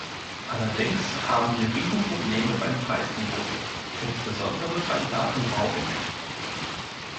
Allerdings haben wir Riesenprobleme beim Preisniveau, insbesondere beim Datenroaming.